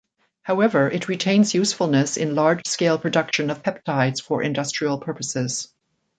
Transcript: However, it retains usefulness in large-scale production of peptides for industrial purposes.